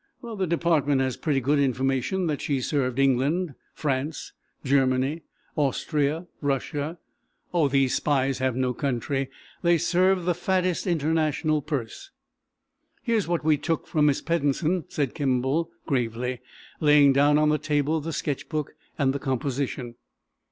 "Well, the Department has pretty good information that she has served England, France, Germany, Austria, Russia oh, these spies have no country! They serve the fattest international purse!" "Here is what we took from Miss Peddensen," said Kimball, gravely, laying down on the table the sketchbook and the "composition."